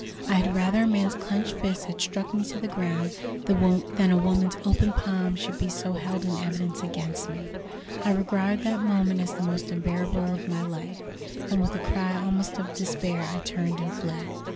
I had rather a man's clenched fist had struck me to the ground than that a woman's open palm should be so held in evidence against me. I regard that moment as the most unbearable of my life, and with a cry almost of despair I turned and fled.